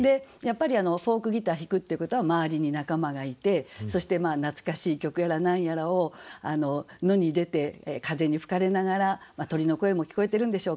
フォークギター弾くっていうことは周りに仲間がいてそして懐かしい曲やら何やらを野に出て風に吹かれながら鳥の声も聞こえてるんでしょうか。